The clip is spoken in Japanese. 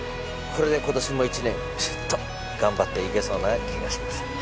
これで今年も１年ピシッと頑張っていけそうな気がします。